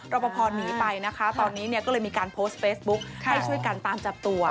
ปภหนีไปนะคะตอนนี้เนี่ยก็เลยมีการโพสต์เฟซบุ๊คให้ช่วยกันตามจับตัว